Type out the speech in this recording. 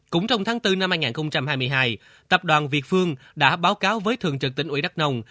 cũng trong tháng bốn năm hai nghìn hai mươi hai tập đoàn việt phương đã báo cáo với thường trực tỉnh ủy đắk nông